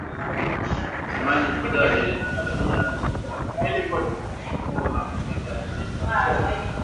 Msemaji Shujaa aliliambia shirika la habari kuwa majeshi ya Kongo na Uganda yanaleta shida